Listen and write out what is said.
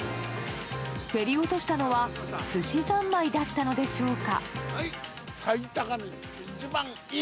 競り落としたのはすしざんまいだったのでしょうか。